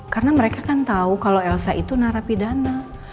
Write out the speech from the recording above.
karena mereka kan tahu kalau elsa itu narapidana